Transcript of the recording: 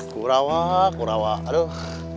kurawa kurawa aduh